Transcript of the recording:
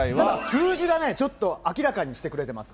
数字がね、ちょっと明らかにしてくれてます。